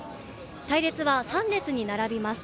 隊列は、３列に並びます。